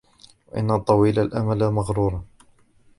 وَأَنَّ الطَّوِيلَ الْأَمَلِ مَغْرُورٌ